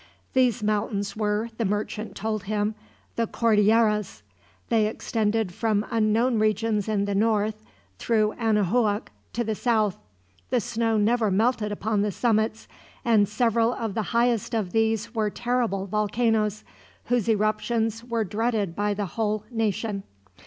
These mountains were, the merchant told him, the Cordilleras; they extended from unknown regions in the north through Anahuac to the south. The snow never melted upon the summits, and several of the highest of these were terrible volcanoes, whose eruptions were dreaded by the whole nation.